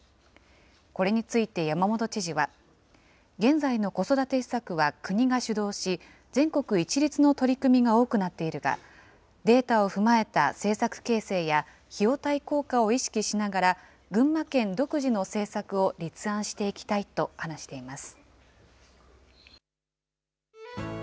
これについて山本知事は、現在の子育て施策は国が主導し、全国一律の取り組みが多くなっているが、データを踏まえた政策形成や、費用対効果を意識しながら、群馬県独自の政策を立案していきたいと話しています。